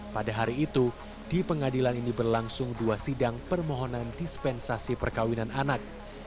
pada hari itu di pengadilan ini berlangsung dua sidang permohonan dispensasi perkawinan anak